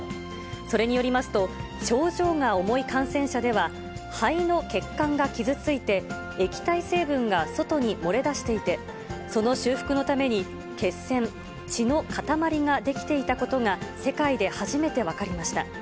それによりますと、症状が重い感染者では、肺の血管が傷ついて、液体成分が外に漏れ出していて、その修復のために、血栓・血の塊が出来ていたことが、世界で初めて分かりました。